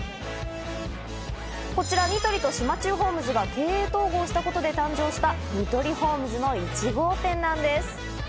こちらニトリと島忠ホームズが経営統合したことで誕生したニトリホームズの１号店なんです。